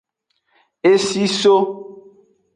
Esi so.